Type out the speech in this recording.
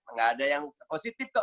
nggak ada yang positif